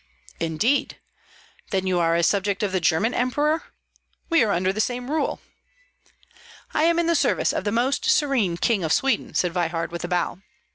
"Indeed? Then you are a subject of the German emperor? We are under the same rule." "I am in the service of the Most Serene King of Sweden," said Veyhard, with a bow.